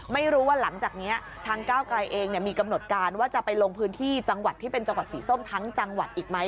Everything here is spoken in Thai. ไม่รู้ว่าหลังจากนี้ทางก้าวกลายเองมีกำหนดการว่าจะไปลงพื้นที่จังหวัดที่เป็นจังหวัดสีส้มทั้งจังหวัดอีกไหม